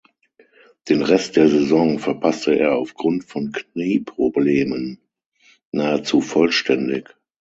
Den Rest der Saison verpasste er aufgrund von Knieproblemen nahezu vollständig.